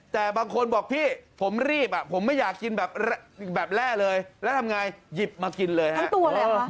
แต่บางคนบอกพี่ผมรีบอ่ะผมไม่อยากกินแบบแร่เลยแล้วทำไงหยิบมากินเลยฮะ